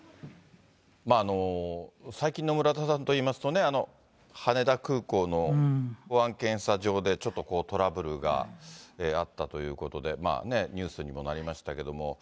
最近の村田さんといいますとね、羽田空港の保安検査場でちょっとトラブルがあったということで、ニュースにもなりましたけども。